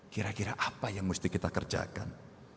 kira kira apa yang mesti kita kerjakan